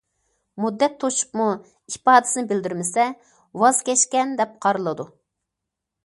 مۇددەت توشۇپمۇ ئىپادىسىنى بىلدۈرمىسە، ۋاز كەچكەن دەپ قارىلىدۇ.